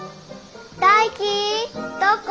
大喜どこ？